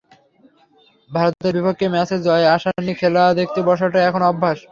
ভারতের বিপক্ষে ম্যাচে জয়ের আশা নিয়ে খেলা দেখতে বসাটা এখন অভ্যাস।